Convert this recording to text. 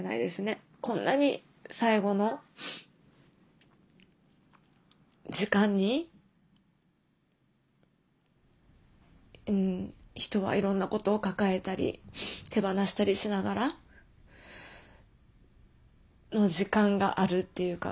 こんなに最期の時間にうん人はいろんなことを抱えたり手放したりしながらの時間があるっていうか。